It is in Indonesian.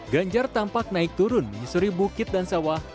ganjar tampak naik turun menyusuri bukit dan kemudian menangkap pelanggan